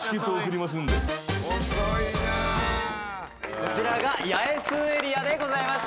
こちらが八重洲エリアでございました。